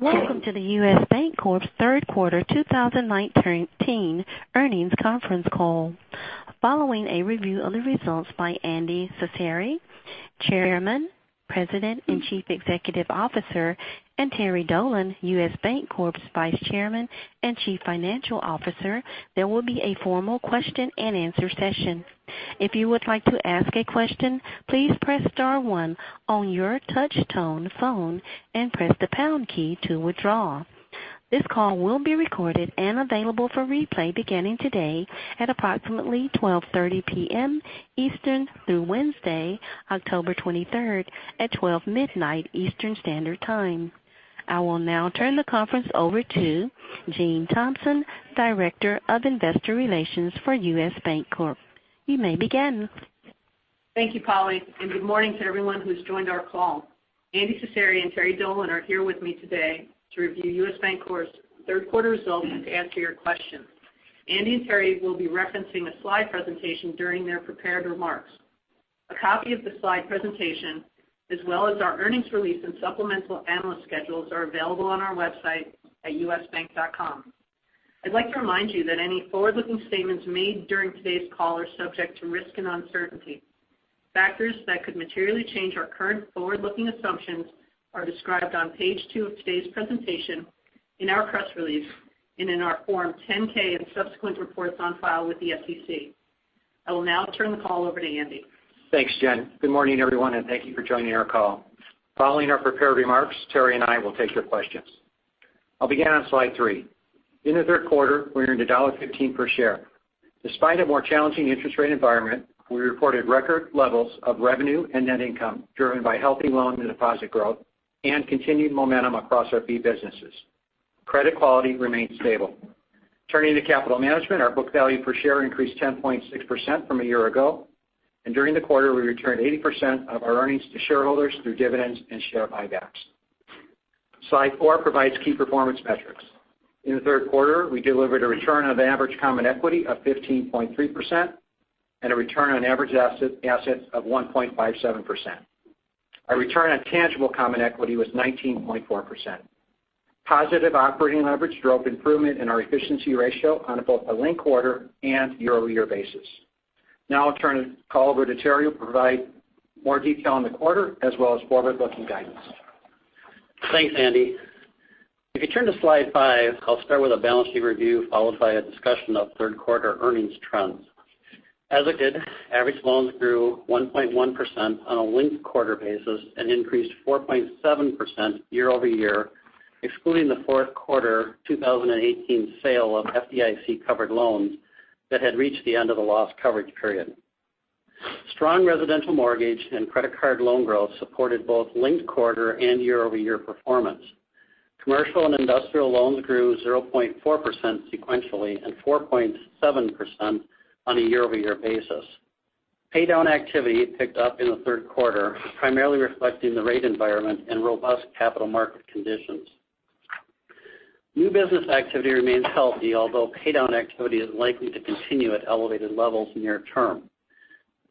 Welcome to the U.S. Bancorp's third quarter 2019 earnings conference call. Following a review of the results by Andy Cecere, Chairman, President, and Chief Executive Officer, and Terry Dolan, U.S. Bancorp's Vice Chairman and Chief Financial Officer, there will be a formal question and answer session. If you would like to ask a question, please press star one on your touch-tone phone and press the pound key to withdraw. This call will be recorded and available for replay beginning today at approximately 12:30 P.M. Eastern through Wednesday, October 23rd at 12:00 midnight Eastern Standard Time. I will now turn the conference over to Jen Thompson, Director of Investor Relations for U.S. Bancorp. You may begin. Thank you, Polly, and good morning to everyone who's joined our call. Andy Cecere and Terry Dolan are here with me today to review U.S. Bancorp's third quarter results and to answer your questions. Andy and Terry will be referencing a slide presentation during their prepared remarks. A copy of the slide presentation, as well as our earnings release and supplemental analyst schedules are available on our website at usbank.com. I'd like to remind you that any forward-looking statements made during today's call are subject to risk and uncertainty. Factors that could materially change our current forward-looking assumptions are described on page two of today's presentation, in our press release, and in our Form 10-K and subsequent reports on file with the SEC. I will now turn the call over to Andy. Thanks, Jen. Good morning, everyone. Thank you for joining our call. Following our prepared remarks, Terry and I will take your questions. I'll begin on slide three. In the third quarter, we earned $1.15 per share. Despite a more challenging interest rate environment, we reported record levels of revenue and net income driven by healthy loan and deposit growth and continued momentum across our fee businesses. Credit quality remained stable. Turning to capital management, our book value per share increased 10.6% from a year ago, and during the quarter, we returned 80% of our earnings to shareholders through dividends and share buybacks. Slide four provides key performance metrics. In the third quarter, we delivered a return on average common equity of 15.3% and a return on average assets of 1.57%. Our return on tangible common equity was 19.4%. Positive operating leverage drove improvement in our efficiency ratio on both a linked quarter and year-over-year basis. I'll turn the call over to Terry who'll provide more detail on the quarter as well as forward-looking guidance. Thanks, Andy. If you turn to slide five, I'll start with a balance sheet review, followed by a discussion of third quarter earnings trends. As noted, average loans grew 1.1% on a linked quarter basis and increased 4.7% year-over-year, excluding the fourth quarter 2018 sale of FDIC-covered loans that had reached the end of the loss coverage period. Strong residential mortgage and credit card loan growth supported both linked quarter and year-over-year performance. Commercial and industrial loans grew 0.4% sequentially and 4.7% on a year-over-year basis. Paydown activity picked up in the third quarter, primarily reflecting the rate environment and robust capital market conditions. New business activity remains healthy, although paydown activity is likely to continue at elevated levels near term.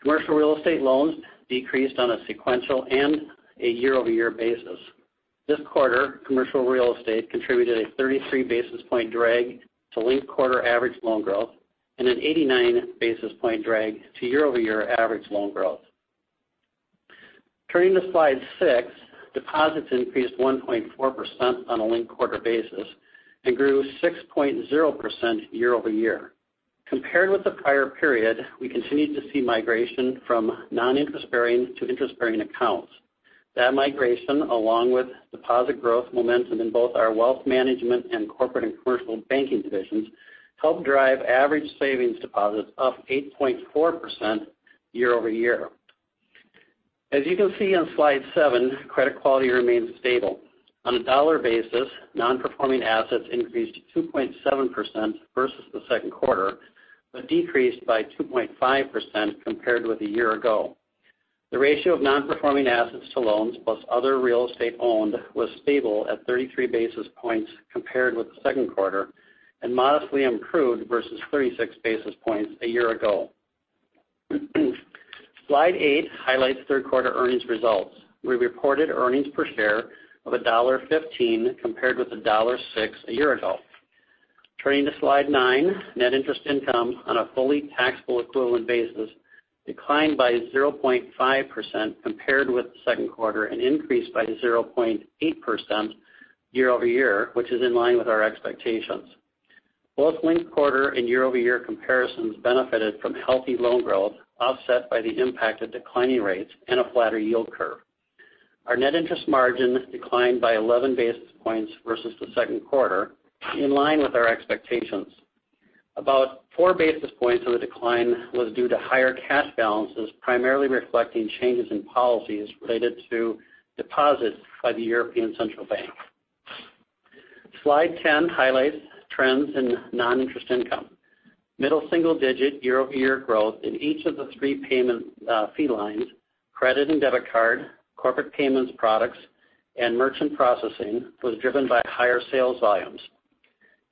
Commercial real estate loans decreased on a sequential and a year-over-year basis. This quarter, commercial real estate contributed a 33 basis point drag to linked quarter average loan growth and an 89 basis point drag to year-over-year average loan growth. Turning to slide six, deposits increased 1.4% on a linked quarter basis and grew 6.0% year-over-year. Compared with the prior period, we continued to see migration from non-interest-bearing to interest-bearing accounts. That migration, along with deposit growth momentum in both our wealth management and corporate and commercial banking divisions, helped drive average savings deposits up 8.4% year-over-year. As you can see on slide seven, credit quality remains stable. On a dollar basis, non-performing assets increased 2.7% versus the second quarter, but decreased by 2.5% compared with a year ago. The ratio of non-performing assets to loans plus other real estate owned was stable at 33 basis points compared with the second quarter and modestly improved versus 36 basis points a year ago. Slide eight highlights third quarter earnings results. We reported earnings per share of $1.15 compared with $1.06 a year ago. Turning to slide nine, net interest income on a fully taxable equivalent basis declined by 0.5% compared with the second quarter and increased by 0.8% year-over-year, which is in line with our expectations. Both linked-quarter and year-over-year comparisons benefited from healthy loan growth offset by the impact of declining rates and a flatter yield curve. Our net interest margin declined by 11 basis points versus the second quarter in line with our expectations. About four basis points of the decline was due to higher cash balances, primarily reflecting changes in policies related to deposits by the European Central Bank. Slide 10 highlights trends in non-interest income. Middle single-digit year-over-year growth in each of the three payment fee lines, credit and debit card, corporate payments products, and merchant processing was driven by higher sales volumes.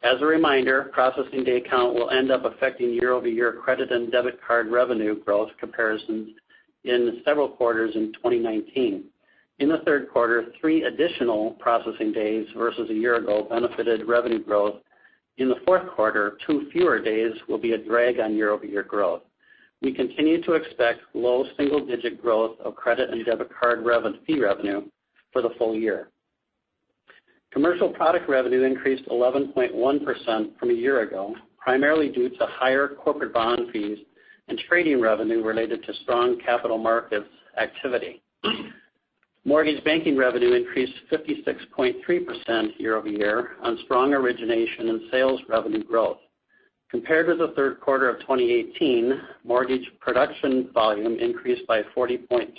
As a reminder, processing day count will end up affecting year-over-year credit and debit card revenue growth comparisons in several quarters in 2019. In the third quarter, three additional processing days versus a year ago benefited revenue growth. In the fourth quarter, two fewer days will be a drag on year-over-year growth. We continue to expect low single-digit growth of credit and debit card fee revenue for the full year. Commercial product revenue increased 11.1% from a year ago, primarily due to higher corporate bond fees and trading revenue related to strong capital markets activity. Mortgage banking revenue increased 56.3% year-over-year on strong origination and sales revenue growth. Compared to the third quarter of 2018, mortgage production volume increased by 40.3%,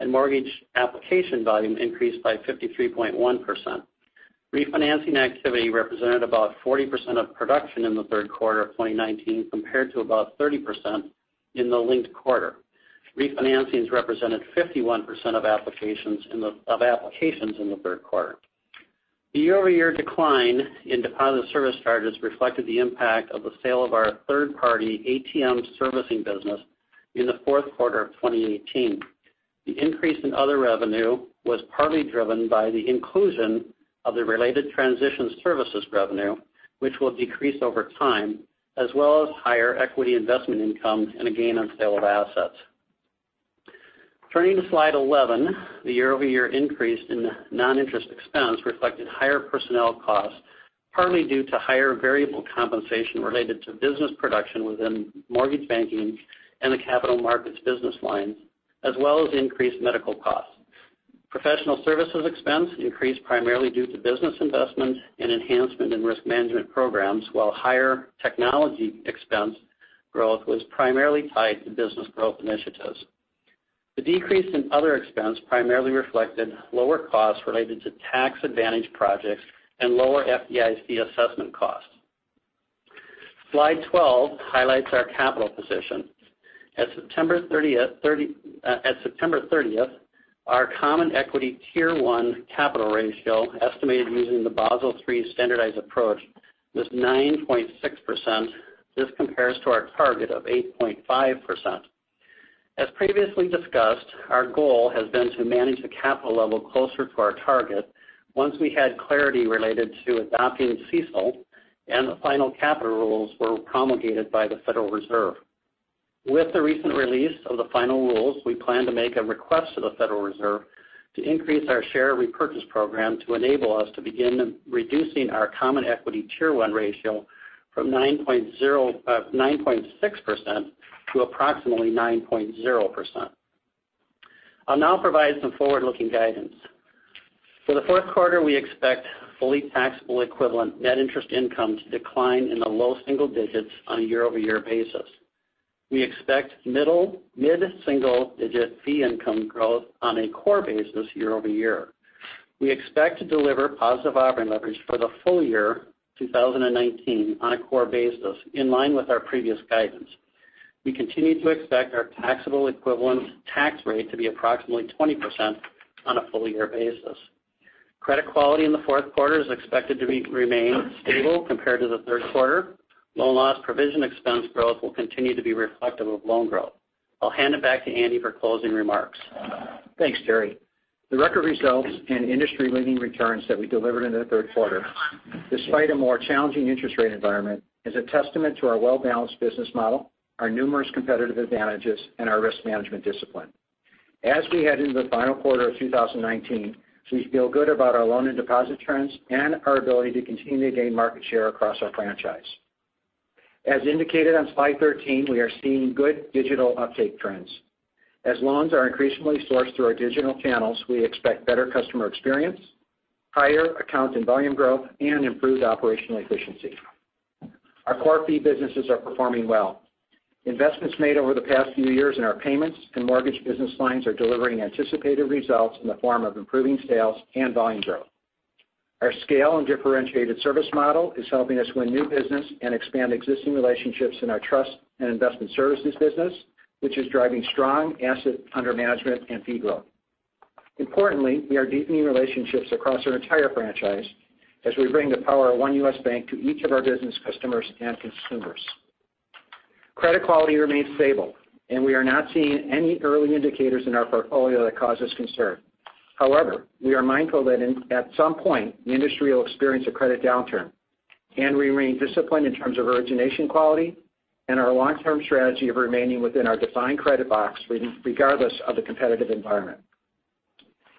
and mortgage application volume increased by 53.1%. Refinancing activity represented about 40% of production in the third quarter of 2019 compared to about 30% in the linked quarter. Refinancings represented 51% of applications in the third quarter. The year-over-year decline in deposit service charges reflected the impact of the sale of our third-party ATM servicing business in the fourth quarter of 2018. The increase in other revenue was partly driven by the inclusion of the related transition services revenue, which will decrease over time, as well as higher equity investment income and a gain on sale of assets. Turning to slide 11, the year-over-year increase in non-interest expense reflected higher personnel costs, partly due to higher variable compensation related to business production within mortgage banking and the capital markets business lines, as well as increased medical costs. Professional services expense increased primarily due to business investment and enhancement in risk management programs, while higher technology expense growth was primarily tied to business growth initiatives. The decrease in other expense primarily reflected lower costs related to tax advantage projects and lower FDIC assessment costs. Slide 12 highlights our capital position. At September 30th, our common equity Tier 1 capital ratio, estimated using the Basel III standardized approach, was 9.6%. This compares to our target of 8.5%. As previously discussed, our goal has been to manage the capital level closer to our target once we had clarity related to adopting CECL and the final capital rules were promulgated by the Federal Reserve. With the recent release of the final rules, we plan to make a request to the Federal Reserve to increase our share repurchase program to enable us to begin reducing our common equity Tier 1 ratio from 9.6% to approximately 9.0%. I'll now provide some forward-looking guidance. For the fourth quarter, we expect fully taxable equivalent net interest income to decline in the low single digits on a year-over-year basis. We expect mid-single-digit fee income growth on a core basis year-over-year. We expect to deliver positive operating leverage for the full year 2019 on a core basis, in line with our previous guidance. We continue to expect our taxable equivalent tax rate to be approximately 20% on a full-year basis. Credit quality in the fourth quarter is expected to remain stable compared to the third quarter. Loan loss provision expense growth will continue to be reflective of loan growth. I'll hand it back to Andy for closing remarks. Thanks, Terry. The record results and industry-leading returns that we delivered in the third quarter, despite a more challenging interest rate environment, is a testament to our well-balanced business model, our numerous competitive advantages, and our risk management discipline. As we head into the final quarter of 2019, we feel good about our loan and deposit trends and our ability to continue to gain market share across our franchise. As indicated on slide 13, we are seeing good digital uptake trends. As loans are increasingly sourced through our digital channels, we expect better customer experience, higher account and volume growth, and improved operational efficiency. Our core fee businesses are performing well. Investments made over the past few years in our payments and mortgage business lines are delivering anticipated results in the form of improving sales and volume growth. Our scale and differentiated service model is helping us win new business and expand existing relationships in our trust and investment services business, which is driving strong asset under management and fee growth. Importantly, we are deepening relationships across our entire franchise as we bring the power of one U.S. Bank to each of our business customers and consumers. Credit quality remains stable, and we are not seeing any early indicators in our portfolio that cause us concern. However, we are mindful that at some point, the industry will experience a credit downturn, and we remain disciplined in terms of origination quality and our long-term strategy of remaining within our defined credit box regardless of the competitive environment.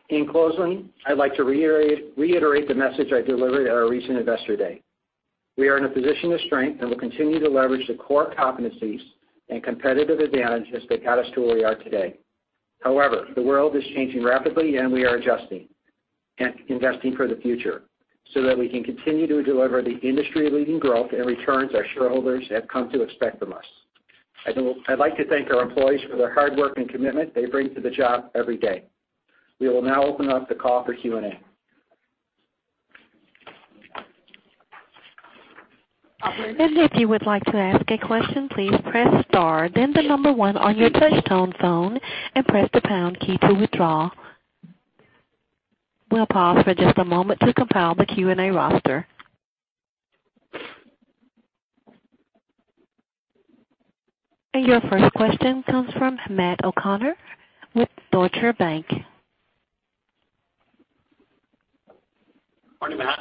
In closing, I'd like to reiterate the message I delivered at our recent Investor Day. We are in a position of strength and will continue to leverage the core competencies and competitive advantages that got us to where we are today. However, the world is changing rapidly, and we are adjusting and investing for the future so that we can continue to deliver the industry-leading growth and returns our shareholders have come to expect from us. I'd like to thank our employees for their hard work and commitment they bring to the job every day. We will now open up the call for Q&A. If you would like to ask a question, please press star, then the number 1 on your touch-tone phone, and press the pound key to withdraw. We'll pause for just a moment to compile the Q&A roster. Your first question comes from Matthew O'Connor with Deutsche Bank. Morning, Matt.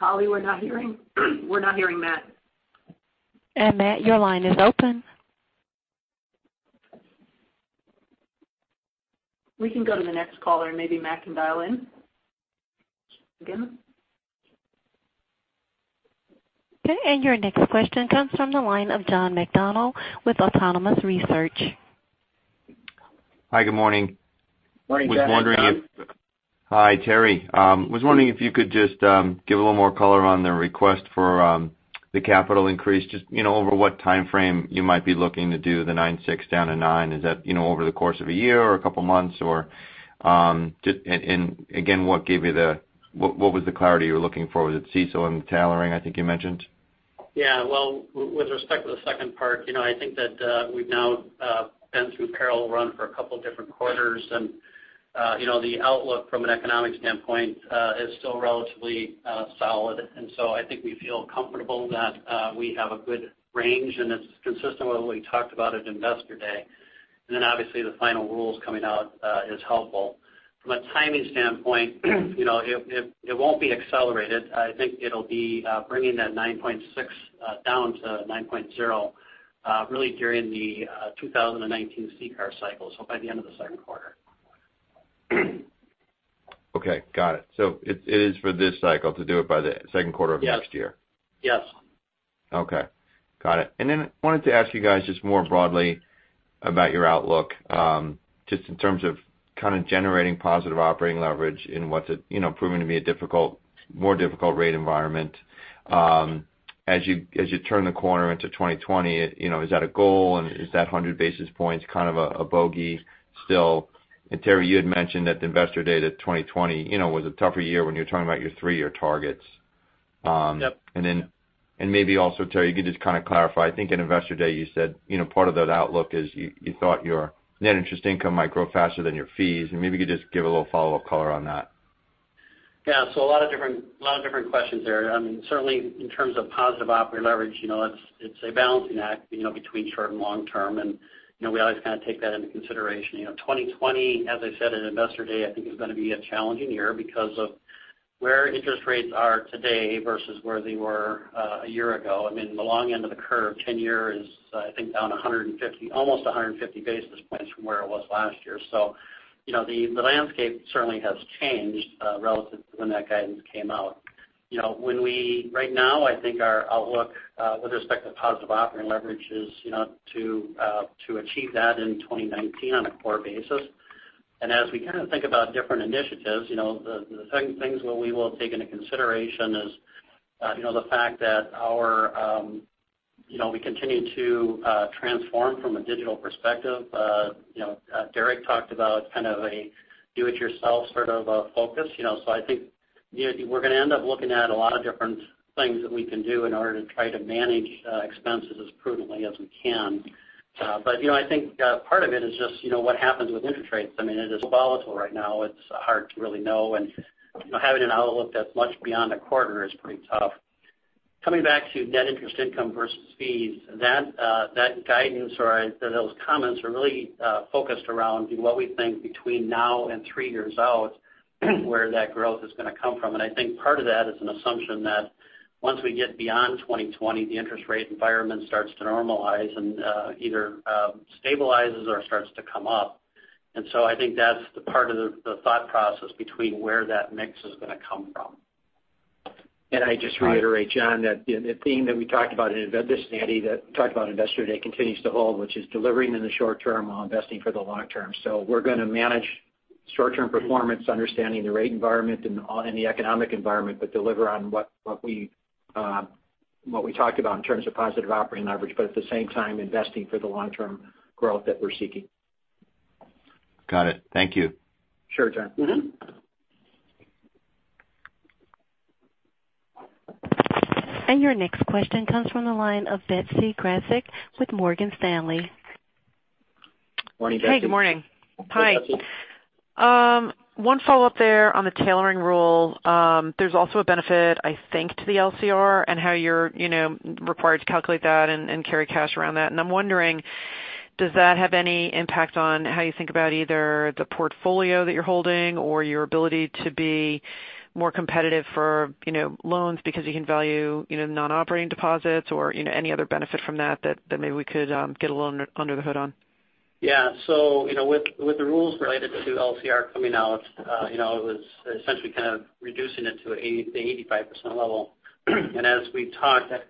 Polly, we're not hearing Matt. Matt, your line is open. We can go to the next caller, and maybe Matt can dial in again. Okay, your next question comes from the line of John McDonald with Autonomous Research. Hi, good morning. Morning, John. Hi, Terry. Was wondering if you could just give a little more color on the request for the capital increase. Just over what time frame you might be looking to do the 9.6 down to nine. Is that over the course of a year or a couple of months? Again, what was the clarity you were looking for? Was it CECL and tailoring, I think you mentioned? Yeah. Well, with respect to the second part, I think that we've now been through parallel run for a couple of different quarters, the outlook from an economic standpoint is still relatively solid. I think we feel comfortable that we have a good range, and it's consistent with what we talked about at Investor Day. Obviously, the final rules coming out is helpful. From a timing standpoint, it won't be accelerated. I think it'll be bringing that 9.6 down to 9.0 really during the 2019 CCAR cycle. By the end of the second quarter. Okay. Got it. It is for this cycle to do it by the second quarter of next year. Yes. Okay. Got it. I wanted to ask you guys just more broadly about your outlook, just in terms of kind of generating positive operating leverage in what's proving to be a more difficult rate environment. As you turn the corner into 2020, is that a goal? Is that 100 basis points kind of a bogey still? Terry, you had mentioned at the Investor Day that 2020 was a tougher year when you were talking about your three-year targets. Yep. Maybe also, Terry, you could just kind of clarify. I think at Investor Day, you said part of that outlook is you thought your net interest income might grow faster than your fees, and maybe you could just give a little follow-up color on that. Yeah. A lot of different questions there. Certainly in terms of positive operating leverage, it's a balancing act between short and long term, and we always kind of take that into consideration. 2020, as I said at Investor Day, I think is going to be a challenging year because of where interest rates are today versus where they were a year ago. The long end of the curve, 10-year is, I think, down almost 150 basis points from where it was last year. The landscape certainly has changed relative to when that guidance came out. Right now, I think our outlook with respect to positive operating leverage is to achieve that in 2019 on a core basis. As we kind of think about different initiatives, the second thing is what we will take into consideration is the fact that we continue to transform from a digital perspective. Derek talked about kind of a do it yourself sort of a focus. I think we're going to end up looking at a lot of different things that we can do in order to try to manage expenses as prudently as we can. I think part of it is just what happens with interest rates. It is volatile right now. It's hard to really know. Having an outlook that's much beyond a quarter is pretty tough. Coming back to net interest income versus fees, that guidance or those comments are really focused around what we think between now and three years out where that growth is going to come from. I think part of that is an assumption that once we get beyond 2020, the interest rate environment starts to normalize and either stabilizes or starts to come up. I think that's the part of the thought process between where that mix is going to come from. I just reiterate, John, that the theme that we talked about at Investor Day continues to hold, which is delivering in the short term while investing for the long term. We're going to manage short-term performance, understanding the rate environment and the economic environment, but deliver on what we talked about in terms of positive operating leverage, but at the same time, investing for the long-term growth that we're seeking. Got it. Thank you. Sure, John. Your next question comes from the line of Betsy Graseck with Morgan Stanley. Morning, Betsy. Hey, good morning. Hi. One follow-up there on the tailoring rule. There's also a benefit, I think, to the LCR and how you're required to calculate that and carry cash around that. I'm wondering, does that have any impact on how you think about either the portfolio that you're holding or your ability to be more competitive for loans because you can value non-operating deposits or any other benefit from that maybe we could get a little under the hood on? With the rules related to LCR coming out, it was essentially kind of reducing it to the 85% level. As we talked, that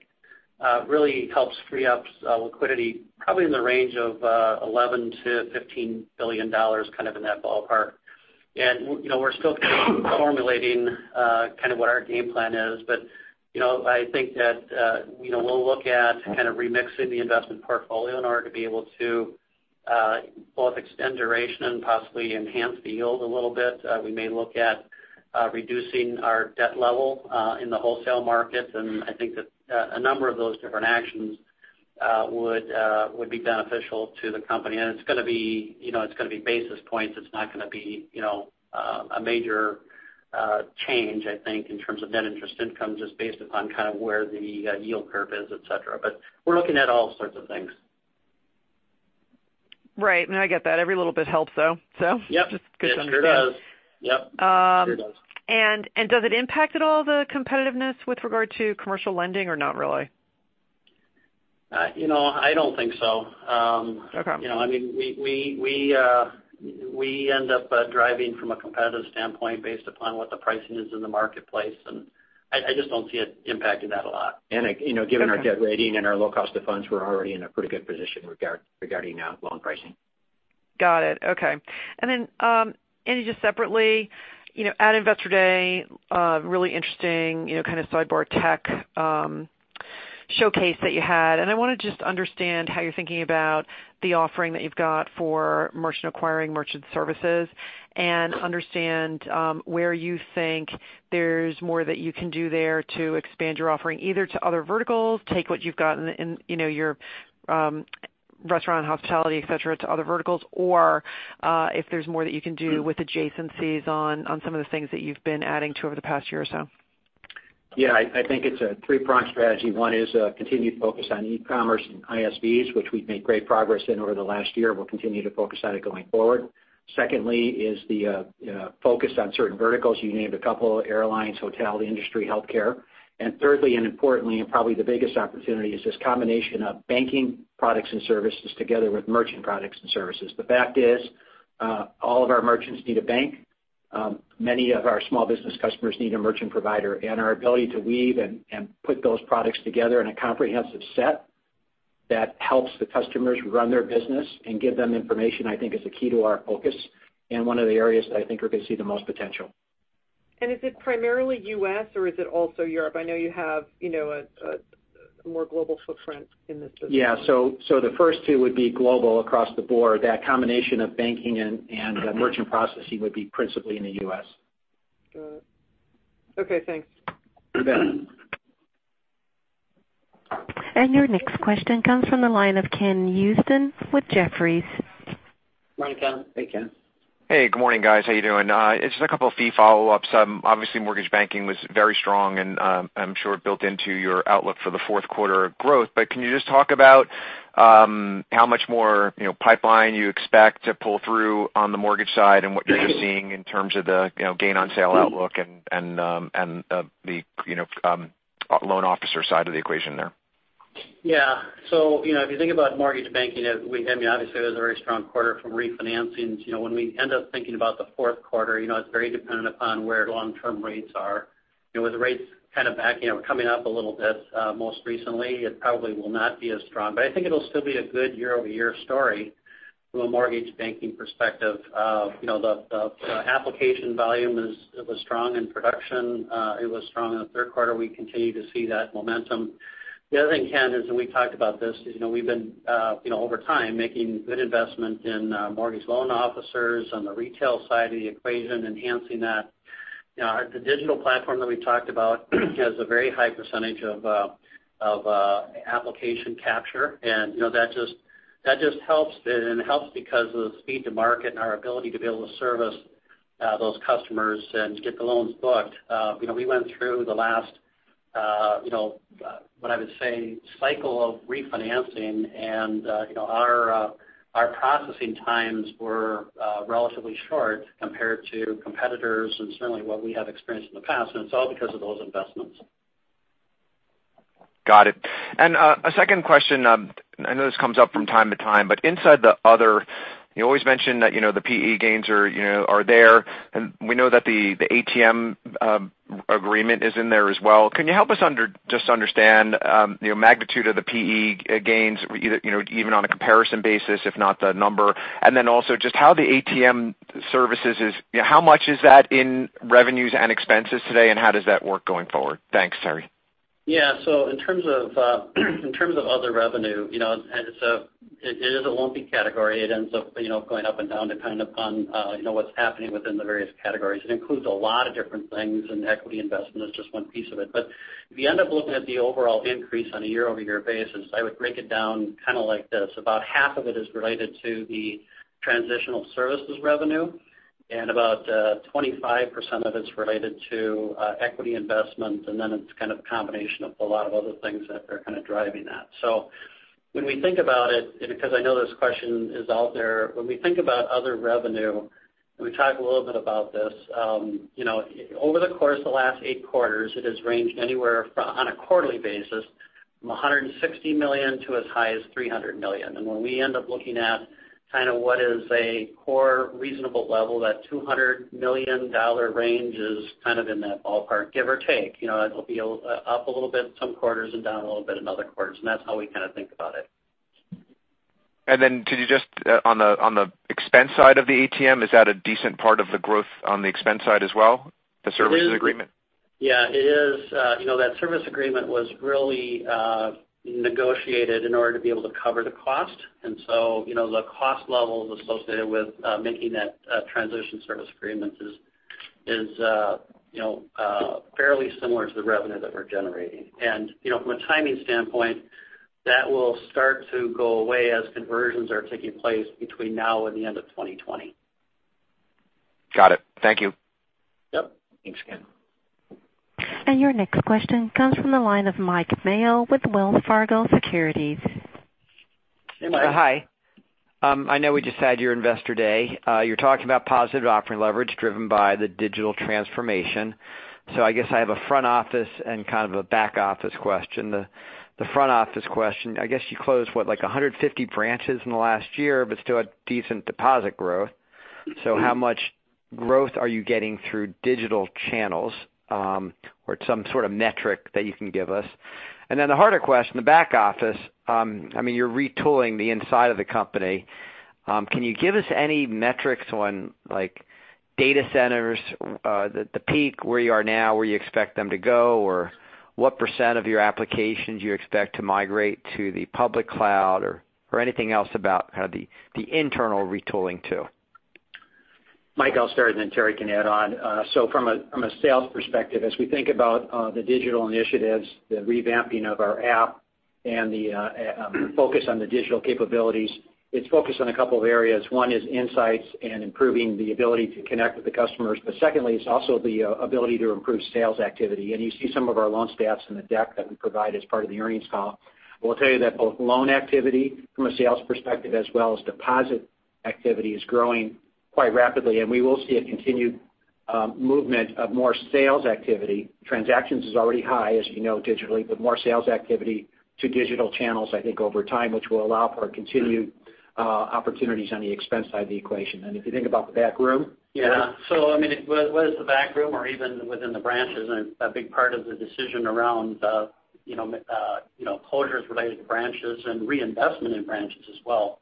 really helps free up liquidity probably in the range of $11 billion-$15 billion, kind of in that ballpark. We're still kind of formulating what our game plan is. I think that we'll look at kind of remixing the investment portfolio in order to be able to Both extend duration and possibly enhance the yield a little bit. We may look at reducing our debt level in the wholesale markets. I think that a number of those different actions would be beneficial to the company. It's going to be basis points. It's not going to be a major change, I think, in terms of net interest income, just based upon kind of where the yield curve is, et cetera. We're looking at all sorts of things. Right. No, I get that. Every little bit helps, though. Yep. So just- It sure does. good to understand. Yep. Sure does. Does it impact at all the competitiveness with regard to commercial lending or not really? I don't think so. Okay. We end up driving from a competitive standpoint based upon what the pricing is in the marketplace, and I just don't see it impacting that a lot. Given our debt rating and our low cost of funds, we're already in a pretty good position regarding loan pricing. Got it. Okay. Then, Andy, just separately, at Investor Day, really interesting kind of sidebar tech showcase that you had. I want to just understand how you're thinking about the offering that you've got for merchant acquiring merchant services and understand where you think there's more that you can do there to expand your offering, either to other verticals, take what you've got in your restaurant, hospitality, et cetera, to other verticals, or if there's more that you can do with adjacencies on some of the things that you've been adding to over the past year or so. Yeah, I think it's a three-pronged strategy. One is a continued focus on e-commerce and ISVs, which we've made great progress in over the last year and we'll continue to focus on it going forward. Secondly is the focus on certain verticals. You named a couple, airlines, hospitality industry, healthcare. Thirdly, and importantly, and probably the biggest opportunity is this combination of banking products and services together with merchant products and services. The fact is, all of our merchants need a bank. Many of our small business customers need a merchant provider. Our ability to weave and put those products together in a comprehensive set that helps the customers run their business and give them information, I think, is a key to our focus and one of the areas that I think we're going to see the most potential. Is it primarily U.S. or is it also Europe? I know you have a more global footprint in this business. Yeah. The first two would be global across the board. That combination of banking and merchant processing would be principally in the U.S. Got it. Okay, thanks. You bet. Your next question comes from the line of Ken Usdin with Jefferies. Morning, Ken. Hey, Ken. Hey, good morning, guys. How you doing? It's just a couple of fee follow-ups. Obviously mortgage banking was very strong and I'm sure built into your outlook for the fourth quarter of growth, but can you just talk about how much more pipeline you expect to pull through on the mortgage side and what you're just seeing in terms of the gain on sale outlook and the loan officer side of the equation there? Yeah. If you think about mortgage banking, obviously that was a very strong quarter from refinancing. When we end up thinking about the fourth quarter, it's very dependent upon where long-term rates are. With the rates kind of coming up a little bit most recently, it probably will not be as strong. I think it'll still be a good year-over-year story from a mortgage banking perspective. The application volume was strong in production. It was strong in the third quarter. We continue to see that momentum. The other thing, Ken, is, and we talked about this, is we've been over time making good investment in mortgage loan officers on the retail side of the equation, enhancing that. The digital platform that we talked about has a very high percentage of application capture, and that just helps because of the speed to market and our ability to be able to service those customers and get the loans booked. We went through the last, what I would say, cycle of refinancing, and our processing times were relatively short compared to competitors and certainly what we have experienced in the past, and it's all because of those investments. Got it. A second question, I know this comes up from time to time, but inside the other, you always mention that the PE gains are there. We know that the ATM agreement is in there as well. Can you help us just understand magnitude of the PE gains even on a comparison basis, if not the number? Also just how the ATM services is, how much is that in revenues and expenses today and how does that work going forward? Thanks, Terry. In terms of other revenue, it is a lumpy category. It ends up going up and down depending upon what's happening within the various categories. It includes a lot of different things, and equity investment is just one piece of it. If you end up looking at the overall increase on a year-over-year basis, I would break it down kind of like this. About half of it is related to the transitional services revenue, and about 25% of it's related to equity investment, and then it's kind of a combination of a lot of other things that are kind of driving that. When we think about it, because I know this question is out there, when we think about other revenue, and we talked a little bit about this, over the course of the last 8 quarters, it has ranged anywhere from, on a quarterly basis, from $160 million to as high as $300 million. When we end up looking at kind of what is a core reasonable level, that $200 million range is kind of in that ballpark, give or take. It'll be up a little bit some quarters and down a little bit in other quarters, and that's how we kind of think about it. Could you just, on the expense side of the ATM, is that a decent part of the growth on the expense side as well, the services agreement? Yeah. That service agreement was really negotiated in order to be able to cover the cost. The cost levels associated with making that transition service agreement is fairly similar to the revenue that we're generating. From a timing standpoint, that will start to go away as conversions are taking place between now and the end of 2020. Got it. Thank you. Yep. Thanks again. Your next question comes from the line of Mike Mayo with Wells Fargo Securities. Hey, Mike. Hi. I know we just had your investor day. You're talking about positive operating leverage driven by the digital transformation. I guess I have a front office and kind of a back office question. The front office question, I guess you closed, what, like 150 branches in the last year but still had decent deposit growth. How much growth are you getting through digital channels, or some sort of metric that you can give us? The harder question, the back office, you're retooling the inside of the company. Can you give us any metrics on data centers, the peak, where you are now, where you expect them to go, or what % of your applications you expect to migrate to the public cloud, or anything else about the internal retooling too? Mike, I'll start, and then Terry can add on. From a sales perspective, as we think about the digital initiatives, the revamping of our app, and the focus on the digital capabilities, it's focused on a couple of areas. One is insights and improving the ability to connect with the customers. Secondly, it's also the ability to improve sales activity. You see some of our loan stats in the deck that we provide as part of the earnings call. We'll tell you that both loan activity from a sales perspective as well as deposit activity is growing quite rapidly, and we will see a continued movement of more sales activity. Transactions is already high, as you know, digitally, but more sales activity to digital channels, I think over time, which will allow for continued opportunities on the expense side of the equation. If you think about the backroom? Yeah. Whether it's the backroom or even within the branches, and a big part of the decision around closures related to branches and reinvestment in branches as well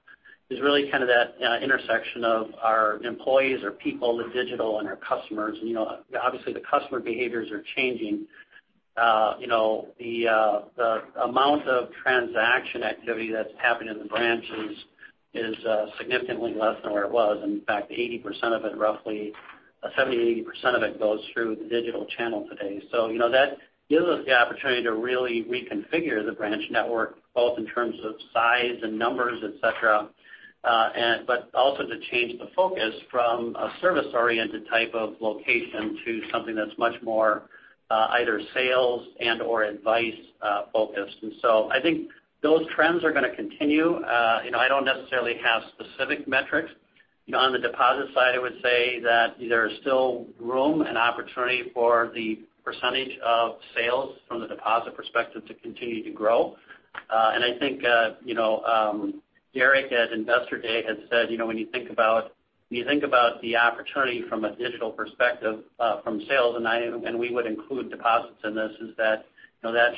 is really kind of that intersection of our employees, our people, the digital, and our customers. Obviously, the customer behaviors are changing. The amount of transaction activity that's happening in the branches is significantly less than where it was. In fact, 80% of it, roughly 70%-80% of it goes through the digital channel today. That gives us the opportunity to really reconfigure the branch network, both in terms of size and numbers, et cetera, but also to change the focus from a service-oriented type of location to something that's much more either sales and/or advice focused. I think those trends are going to continue. I don't necessarily have specific metrics. On the deposit side, I would say that there is still room and opportunity for the percentage of sales from the deposit perspective to continue to grow. I think Derek at Investor Day had said when you think about the opportunity from a digital perspective from sales, and we would include deposits in this, is that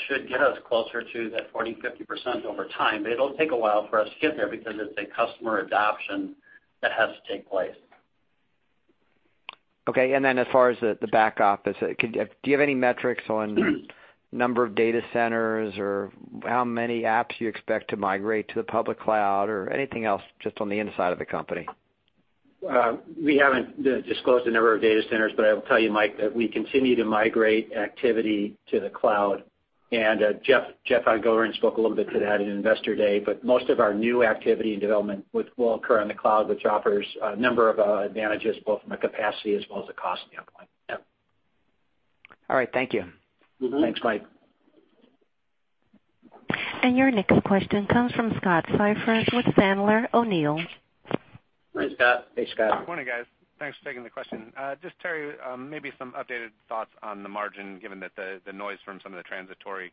should get us closer to that 40%-50% over time. It'll take a while for us to get there because it's a customer adoption that has to take place. Okay. As far as the back office, do you have any metrics on number of data centers or how many apps you expect to migrate to the public cloud or anything else just on the inside of the company? We haven't disclosed the number of data centers, but I will tell you, Mike, that we continue to migrate activity to the cloud. Jeff Van Gorden spoke a little bit to that at Investor Day. Most of our new activity and development will occur on the cloud, which offers a number of advantages, both from a capacity as well as a cost standpoint. Yep. All right. Thank you. Mm-hmm. Thanks, Mike. Your next question comes from Scott Siefers with Sandler O'Neill. Hi, Scott. Hey, Scott. Morning, guys. Thanks for taking the question. Just, Terry, maybe some updated thoughts on the margin, given that the noise from some of the transitory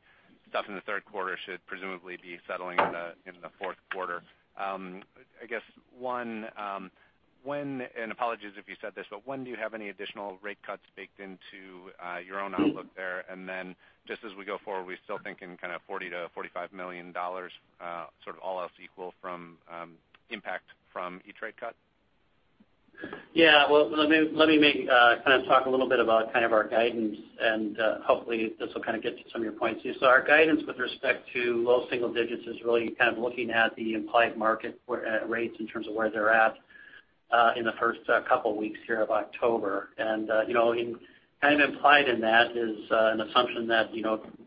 stuff in the third quarter should presumably be settling in the fourth quarter. I guess, one, apologies if you said this, when do you have any additional rate cuts baked into your own outlook there? Just as we go forward, we still thinking kind of $40 million-$45 million sort of all else equal from impact from each rate cut? Yeah. Well, let me kind of talk a little bit about kind of our guidance, and hopefully this will kind of get to some of your points. Our guidance with respect to low single digits is really kind of looking at the implied market rates in terms of where they're at in the first couple of weeks here of October. Implied in that is an assumption that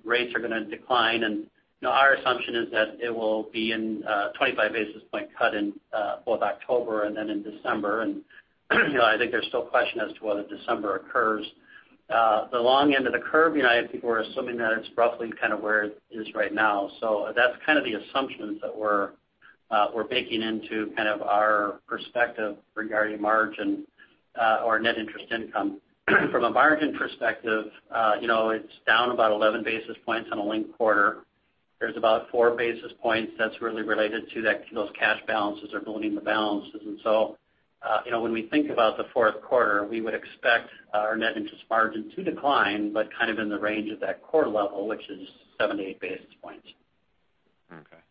rates are going to decline. Our assumption is that it will be in a 25-basis point cut in both October and then in December. I think there's still question as to whether December occurs. The long end of the curve, I think we're assuming that it's roughly kind of where it is right now. That's kind of the assumptions that we're baking into kind of our perspective regarding margin or net interest income. From a margin perspective, it's down about 11 basis points on a linked quarter. There's about four basis points that's really related to those cash balances or building the balances. When we think about the fourth quarter, we would expect our net interest margin to decline, but kind of in the range of that core level, which is seven to eight basis points. Okay.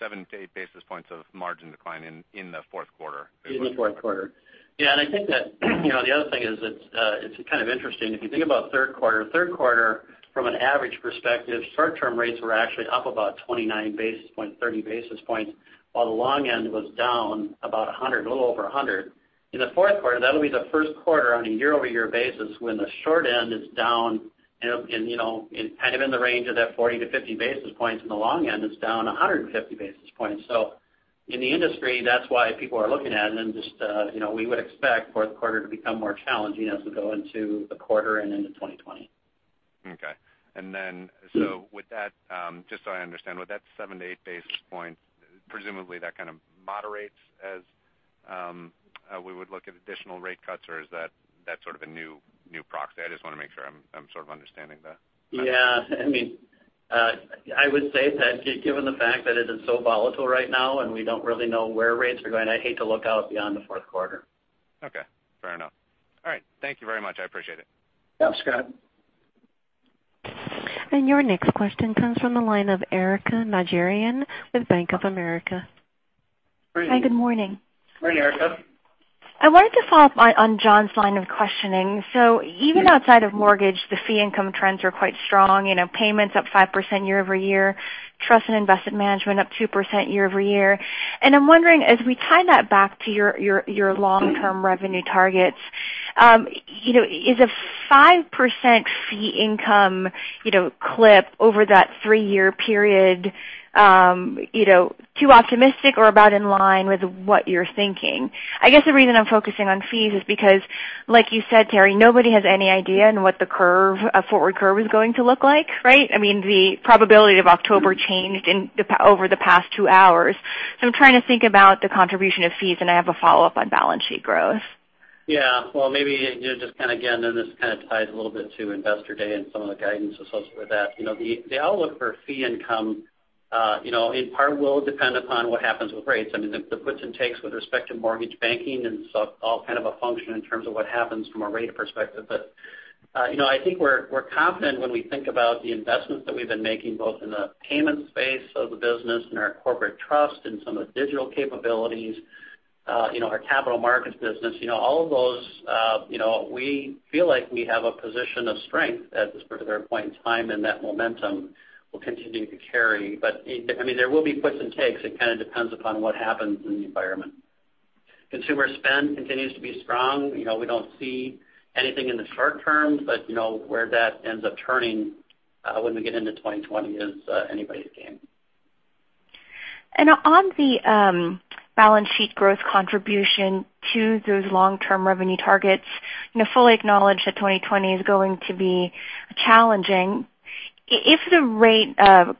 Seven to eight basis points of margin decline in the fourth quarter. In the fourth quarter. Yeah, I think that the other thing is it's kind of interesting. If you think about third quarter, third quarter from an average perspective, short-term rates were actually up about 29 basis points, 30 basis points, while the long end was down about 100, a little over 100. In the fourth quarter, that'll be the first quarter on a year-over-year basis when the short end is down kind of in the range of that 40-50 basis points and the long end is down 150 basis points. In the industry, that's why people are looking at it and just we would expect fourth quarter to become more challenging as we go into the quarter and into 2020. Okay. With that, just so I understand, with that seven to eight basis points, presumably that kind of moderates as we would look at additional rate cuts or is that sort of a new proxy? I just want to make sure I'm sort of understanding that. Yeah. I would say that given the fact that it is so volatile right now and we don't really know where rates are going, I'd hate to look out beyond the fourth quarter. Okay. Fair enough. All right. Thank you very much. I appreciate it. Yeah. Scott. Your next question comes from the line of Erika Najarian with Bank of America. Great. Hi, good morning. Morning, Erika. I wanted to follow up on John's line of questioning. Even outside of mortgage, the fee income trends are quite strong. Payments up 5% year-over-year, trust and investment management up 2% year-over-year. I'm wondering, as we tie that back to your long-term revenue targets, is a 5% fee income clip over that three-year period too optimistic or about in line with what you're thinking? I guess the reason I'm focusing on fees is because, like you said, Terry, nobody has any idea on what the forward curve is going to look like, right? I mean, the probability of October changed over the past two hours. I'm trying to think about the contribution of fees, and I have a follow-up on balance sheet growth. Yeah. Well, maybe just kind of, again, this kind of ties a little bit to Investor Day and some of the guidance associated with that. The outlook for fee income in part will depend upon what happens with rates. I mean, the puts and takes with respect to mortgage banking and stuff, all kind of a function in terms of what happens from a rate perspective. I think we're confident when we think about the investments that we've been making, both in the payment space of the business and our corporate trust and some of the digital capabilities, our capital markets business. All of those we feel like we have a position of strength at this particular point in time, that momentum will continue to carry. There will be puts and takes. It kind of depends upon what happens in the environment. Consumer spend continues to be strong. We don't see anything in the short term, but where that ends up turning when we get into 2020 is anybody's game. On the balance sheet growth contribution to those long-term revenue targets, fully acknowledge that 2020 is going to be challenging. If the rate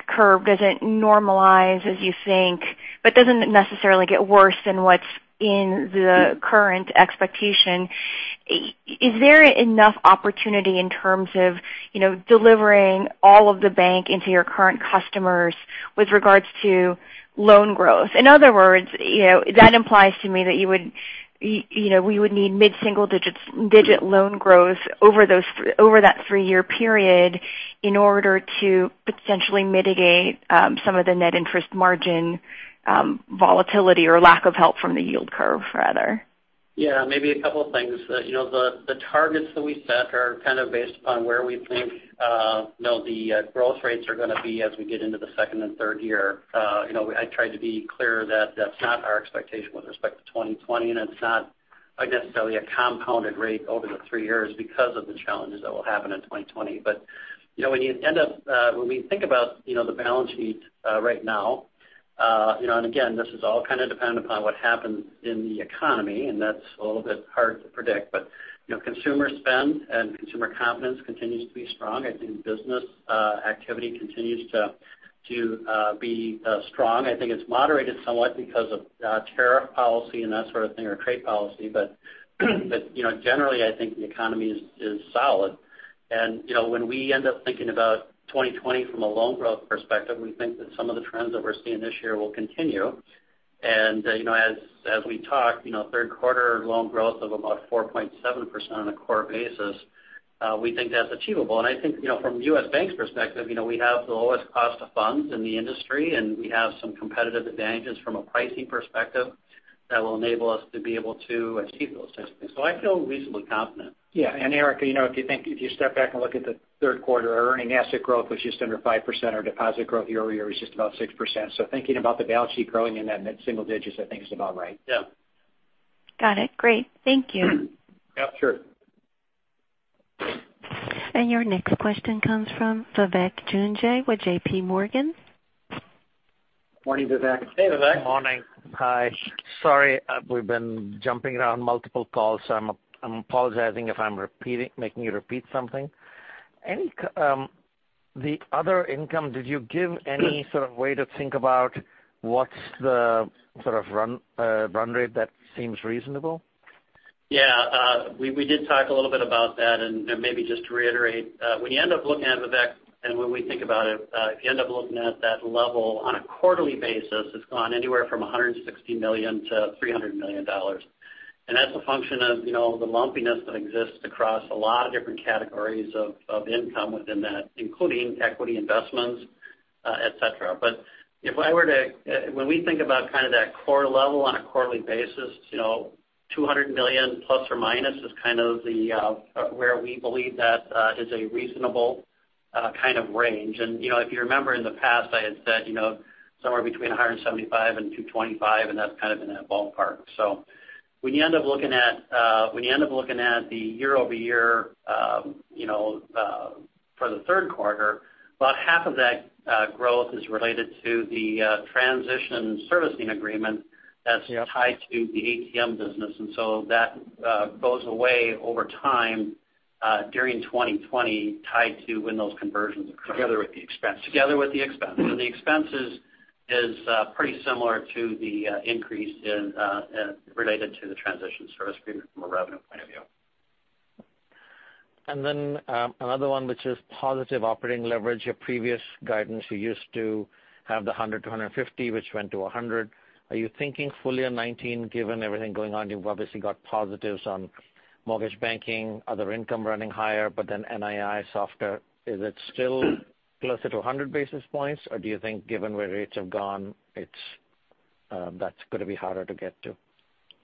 curve doesn't normalize as you think, but doesn't necessarily get worse than what's in the current expectation, is there enough opportunity in terms of delivering all of U.S. Bank into your current customers with regards to loan growth? In other words, that implies to me that we would need mid-single-digit loan growth over that three-year period in order to potentially mitigate some of the net interest margin volatility or lack of help from the yield curve, rather. Yeah. Maybe a couple of things. The targets that we set are kind of based upon where we think the growth rates are going to be as we get into the second and third year. I tried to be clear that that's not our expectation with respect to 2020, and it's not necessarily a compounded rate over the three years because of the challenges that will happen in 2020. When we think about the balance sheet right now, and again, this is all kind of dependent upon what happens in the economy, and that's a little bit hard to predict, consumer spend and consumer confidence continues to be strong. I think business activity continues to be strong. I think it's moderated somewhat because of tariff policy and that sort of thing, or trade policy. Generally, I think the economy is solid. When we end up thinking about 2020 from a loan growth perspective, we think that some of the trends that we're seeing this year will continue. As we talked, third quarter loan growth of about 4.7% on a core basis, we think that's achievable. I think from U.S. Bank's perspective, we have the lowest cost of funds in the industry, and we have some competitive advantages from a pricing perspective that will enable us to be able to achieve those types of things. I feel reasonably confident. Yeah. Erika, if you step back and look at the third quarter, our earning asset growth was just under 5%. Our deposit growth year-over-year is just about 6%. Thinking about the balance sheet growing in that mid-single digits, I think is about right. Yeah. Got it. Great. Thank you. Yeah, sure. Your next question comes from Vivek Juneja with JPMorgan. Morning, Vivek. Hey, Vivek. Morning. Hi. Sorry, we've been jumping around multiple calls, so I'm apologizing if I'm making you repeat something. The other income, did you give any sort of way to think about what's the sort of run rate that seems reasonable? Yeah. We did talk a little bit about that, and maybe just to reiterate. When you end up looking at it, Vivek, and when we think about it, if you end up looking at that level on a quarterly basis, it's gone anywhere from $160 million-$300 million. That's a function of the lumpiness that exists across a lot of different categories of income within that, including equity investments, et cetera. When we think about that core level on a quarterly basis, $200 million ± is where we believe that is a reasonable range. If you remember in the past I had said somewhere between $175 million and $225 million, and that's in that ballpark. When you end up looking at the year-over-year for the third quarter, about half of that growth is related to the transition servicing agreement that's tied to the ATM business. That goes away over time during 2020, tied to when those conversions occur. Together with the expense. Together with the expense. The expense is pretty similar to the increase related to the transition service agreement from a revenue point of view. Another one, which is positive operating leverage. Your previous guidance, you used to have the 100 to 150, which went to 100. Are you thinking full-year 2019, given everything going on? You've obviously got positives on mortgage banking, other income running higher, but then NII softer. Is it still closer to 100 basis points, or do you think given where rates have gone, that's going to be harder to get to?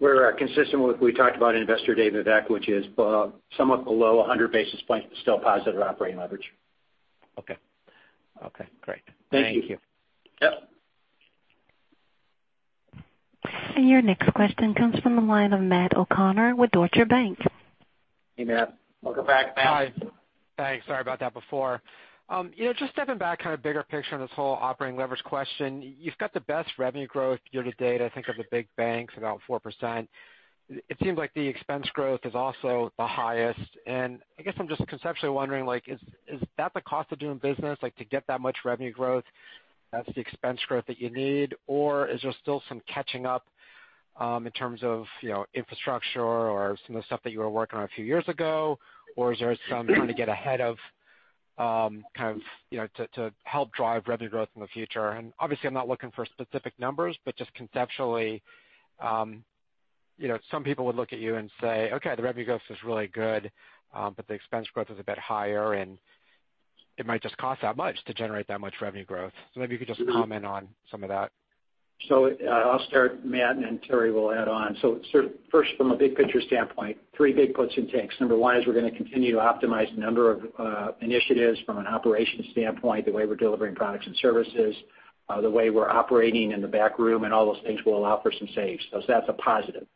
We're consistent with we talked about at Investor Day, Vivek, which is somewhat below 100 basis points, but still positive operating leverage. Okay. Great. Thank you. Thank you. Yep. Your next question comes from the line of Matthew O'Connor with Deutsche Bank. Hey, Matt. Welcome back. Hi. Thanks. Sorry about that before. Just stepping back kind of bigger picture on this whole operating leverage question. You've got the best revenue growth year to date, I think, of the big banks, about 4%. It seems like the expense growth is also the highest. I guess I'm just conceptually wondering, is that the cost of doing business? Like to get that much revenue growth, that's the expense growth that you need, or is there still some catching up in terms of infrastructure or some of the stuff that you were working on a few years ago? Is there some trying to get ahead to help drive revenue growth in the future? Obviously I'm not looking for specific numbers, but just conceptually some people would look at you and say, "Okay, the revenue growth is really good, but the expense growth is a bit higher, and it might just cost that much to generate that much revenue growth." Maybe you could just comment on some of that. I'll start, Matt, and Terry will add on. First, from a big picture standpoint, three big puts and takes. Number one is we're going to continue to optimize a number of initiatives from an operations standpoint, the way we're delivering products and services, the way we're operating in the back room, and all those things will allow for some saves. That's a positive.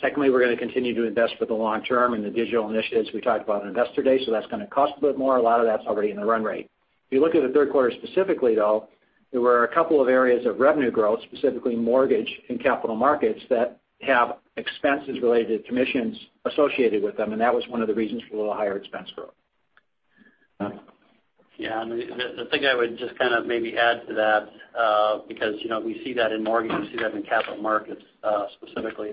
Secondly, we're going to continue to invest for the long term in the digital initiatives we talked about on Investor Day. That's going to cost a bit more. A lot of that's already in the run rate. If you look at the third quarter specifically, though, there were a couple of areas of revenue growth, specifically mortgage and capital markets, that have expenses related to commissions associated with them, and that was one of the reasons for the little higher expense growth. Matt? Yeah. The thing I would just maybe add to that, because we see that in mortgage, we see that in capital markets specifically.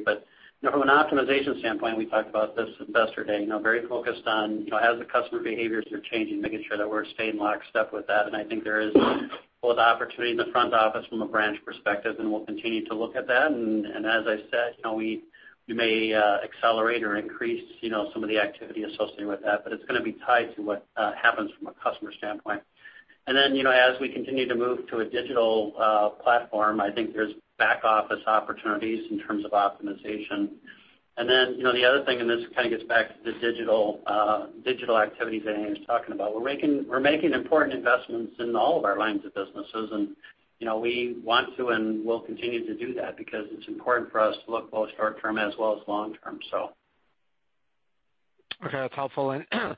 From an optimization standpoint, we talked about this at Investor Day. Very focused on as the customer behaviors are changing, making sure that we're staying lockstep with that. I think there is both opportunity in the front office from a branch perspective, and we'll continue to look at that. As I said, we may accelerate or increase some of the activity associated with that, but it's going to be tied to what happens from a customer standpoint. As we continue to move to a digital platform, I think there's back-office opportunities in terms of optimization. The other thing, and this kind of gets back to the digital activities that Andy was talking about. We're making important investments in all of our lines of businesses, and we want to and will continue to do that because it's important for us to look both short term as well as long term. Okay. That's helpful. I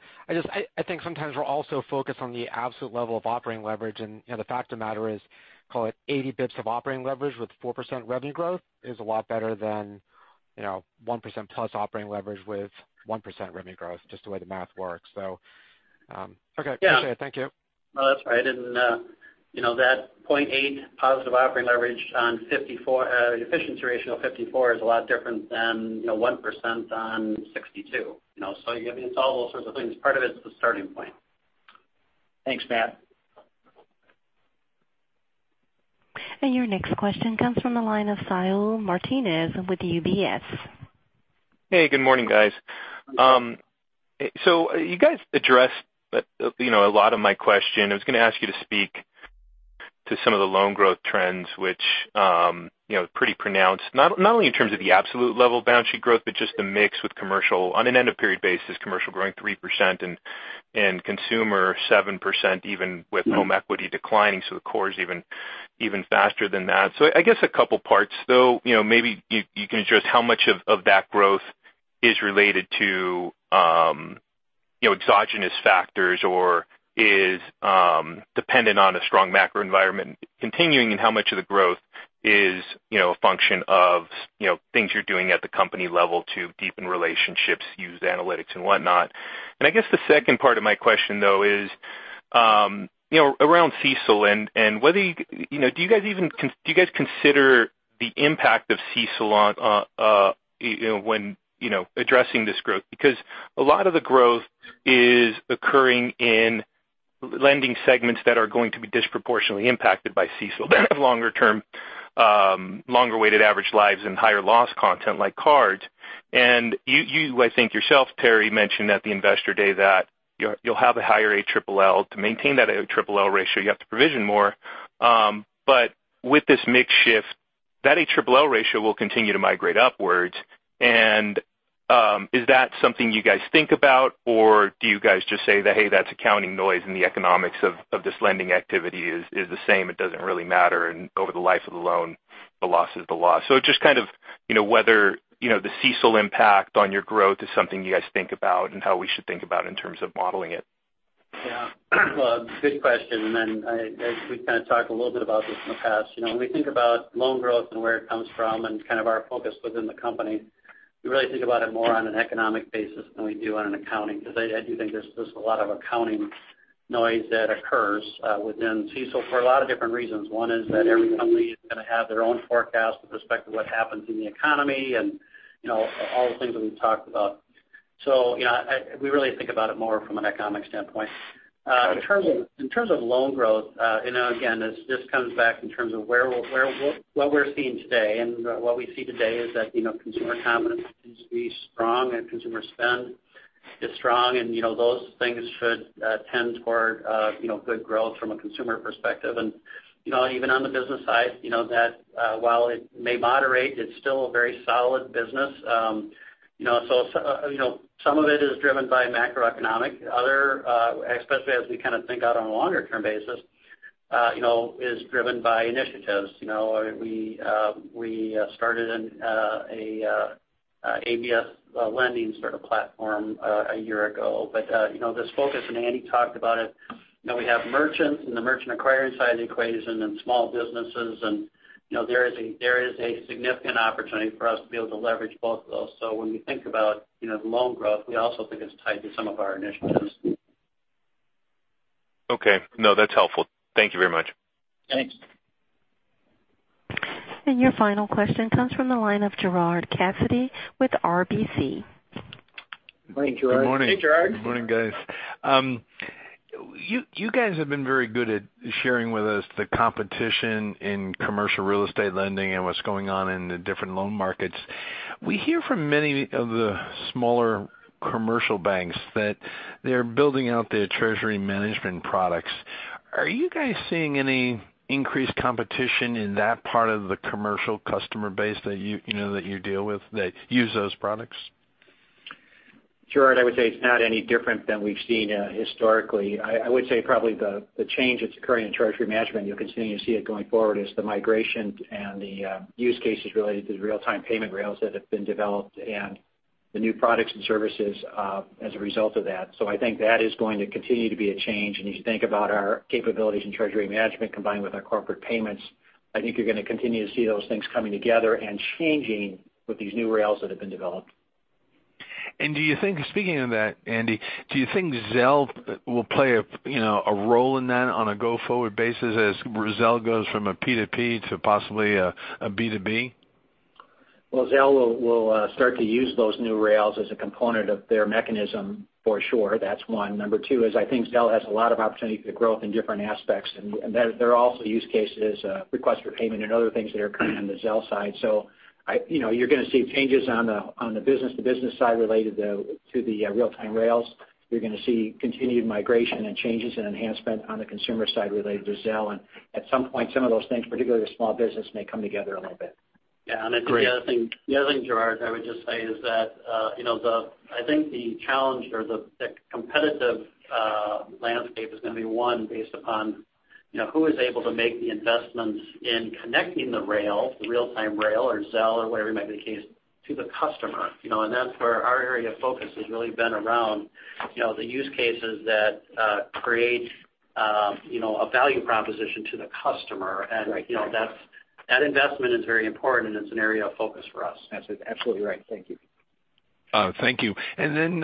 think sometimes we're also focused on the absolute level of operating leverage, and the fact of the matter is, call it 80 basis points of operating leverage with 4% revenue growth is a lot better than 1% plus operating leverage with 1% revenue growth, just the way the math works. Okay. Yeah. Appreciate it. Thank you. No, that's right. That 0.8% positive operating leverage on efficiency ratio 54% is a lot different than 1% on 62%. It's all those sorts of things. Part of it is the starting point. Thanks, Matt. Your next question comes from the line of Saul Martinez with UBS. Hey, good morning, guys. You guys addressed a lot of my question. I was going to ask you to speak to some of the loan growth trends, which pretty pronounced, not only in terms of the absolute level balance sheet growth, but just the mix with commercial. On an end-of-period basis, commercial growing 3% and consumer 7%, even with home equity declining. The core is even faster than that. I guess a couple parts, though. Maybe you can address how much of that growth is related to exogenous factors or is dependent on a strong macro environment continuing, and how much of the growth is a function of things you're doing at the company level to deepen relationships, use analytics and whatnot. I guess the second part of my question, though, is around CECL and do you guys consider the impact of CECL when addressing this growth? Because a lot of the growth is occurring in lending segments that are going to be disproportionately impacted by CECL have longer-term, longer-weighted average lives and higher loss content like cards. You, I think yourself, Terry, mentioned at the investor day that you'll have a higher ALL. To maintain that ALL ratio, you have to provision more. With this mix shift, that ALL ratio will continue to migrate upwards. Is that something you guys think about, or do you guys just say that, "Hey, that's accounting noise and the economics of this lending activity is the same, it doesn't really matter, and over the life of the loan, the loss is the loss," just kind of whether the CECL impact on your growth is something you guys think about and how we should think about in terms of modeling it? Good question. We kind of talked a little bit about this in the past. When we think about loan growth and where it comes from and kind of our focus within the company, we really think about it more on an economic basis than we do on an accounting because I do think there's just a lot of accounting noise that occurs within CECL for a lot of different reasons. One is that every company is going to have their own forecast with respect to what happens in the economy and all the things that we've talked about. We really think about it more from an economic standpoint. In terms of loan growth, again, this comes back in terms of what we're seeing today, and what we see today is that consumer confidence seems to be strong and consumer spend is strong, and those things should tend toward good growth from a consumer perspective. Even on the business side, while it may moderate, it's still a very solid business. Some of it is driven by macroeconomic. Other, especially as we kind of think out on a longer-term basis, is driven by initiatives. We started an ABS lending sort of platform a year ago. This focus, and Andy talked about it, we have merchants in the merchant acquiring side of the equation and small businesses, and there is a significant opportunity for us to be able to leverage both of those. When we think about the loan growth, we also think it's tied to some of our initiatives. Okay. No, that's helpful. Thank you very much. Thanks. Your final question comes from the line of Gerard Cassidy with RBC. Morning, Gerard. Good morning. Hey, Gerard. Good morning, guys. You guys have been very good at sharing with us the competition in commercial real estate lending and what's going on in the different loan markets. We hear from many of the smaller commercial banks that they're building out their treasury management products. Are you guys seeing any increased competition in that part of the commercial customer base that you deal with that use those products? Gerard, I would say it's not any different than we've seen historically. I would say probably the change that's occurring in treasury management, you'll continue to see it going forward, is the migration and the use cases related to the real-time payment rails that have been developed and the new products and services as a result of that. I think that is going to continue to be a change. As you think about our capabilities in treasury management combined with our corporate payments, I think you're going to continue to see those things coming together and changing with these new rails that have been developed. Speaking of that, Andy, do you think Zelle will play a role in that on a go-forward basis as Zelle goes from a P2P to possibly a B2B? Zelle will start to use those new rails as a component of their mechanism, for sure. That's one. Number 2 is I think Zelle has a lot of opportunity for growth in different aspects, and there are also use cases, request for payment and other things that are occurring on the Zelle side. You're going to see changes on the business-to-business side related to the real-time rails. You're going to see continued migration and changes and enhancement on the consumer side related to Zelle. At some point, some of those things, particularly the small business, may come together a little bit. Yeah, I think the other thing- Great Gerard, I would just say is that I think the challenge or the competitive landscape is going to be one based upon who is able to make the investments in connecting the rail, the real-time rail or Zelle or whatever might be the case, to the customer. That's where our area of focus has really been around the use cases that create a value proposition to the customer. Right. That investment is very important, and it's an area of focus for us. That's absolutely right. Thank you. Thank you. Then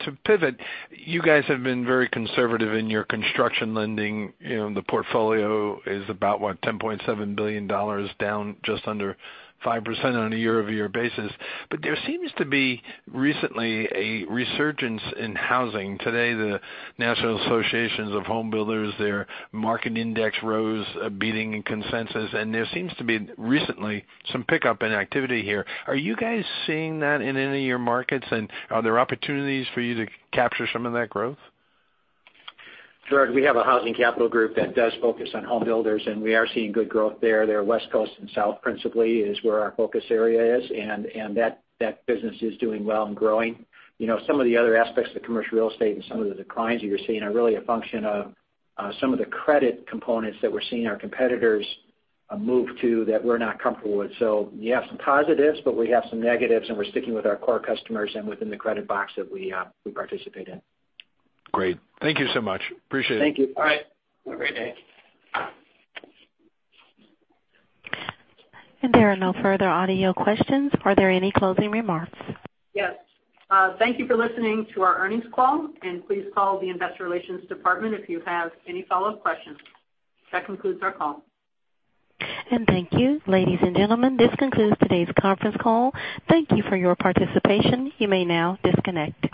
to pivot, you guys have been very conservative in your construction lending. The portfolio is about, what, $10.7 billion, down just under 5% on a year-over-year basis. There seems to be recently a resurgence in housing. Today, the National Association of Home Builders, their market index rose, beating consensus, and there seems to be recently some pickup in activity here. Are you guys seeing that in any of your markets, and are there opportunities for you to capture some of that growth? Gerard, we have a housing capital group that does focus on home builders, and we are seeing good growth there. They're West Coast and South principally is where our focus area is, and that business is doing well and growing. Some of the other aspects of the commercial real estate and some of the declines that you're seeing are really a function of some of the credit components that we're seeing our competitors move to that we're not comfortable with. You have some positives, but we have some negatives, and we're sticking with our core customers and within the credit box that we participate in. Great. Thank you so much. Appreciate it. Thank you. All right. Have a great day. There are no further audio questions. Are there any closing remarks? Yes. Thank you for listening to our earnings call, and please call the investor relations department if you have any follow-up questions. That concludes our call. Thank you. Ladies and gentlemen, this concludes today's conference call. Thank you for your participation. You may now disconnect.